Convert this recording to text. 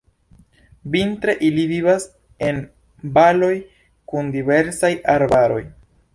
Vintre ili vivas en valoj kun densaj arbaroj.